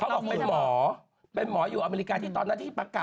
บอกเป็นหมอเป็นหมออยู่อเมริกาที่ตอนนั้นที่ประกาศ